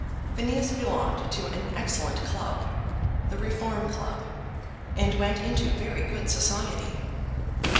Phineas belonged to an excellent club, the Reform Club, and went into very good society.